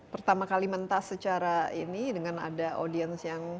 pertama kali mentas secara ini dengan ada audiens yang